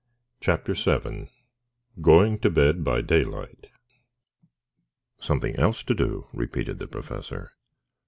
CHAPTER VII GOING TO BED BY DAYLIGHT "Something else to do?" repeated the Professor.